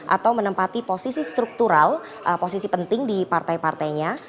atau menempati posisi struktural posisi penting di partai partainya